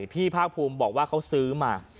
ภาคภูมิบอกว่าเขาซื้อมา